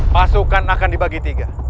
pasukan akan dibagi tiga